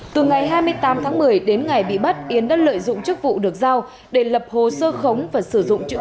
từ ngày hai mươi tám tháng một mươi đến ngày bị bắt yến đã lợi dụng chức vụ được giao để lập hồ sơ khống và sử dụng chữ